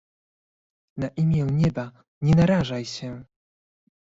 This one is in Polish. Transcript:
"na imię nieba, nie narażaj się!"